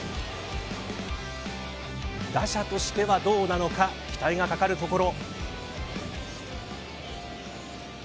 打者としてはどうなのか期待がかかるところ。